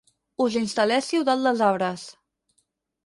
Us instal·lessiu dalt dels arbres.